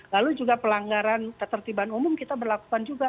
lalu juga pelanggaran ketertiban umum kita berlakukan juga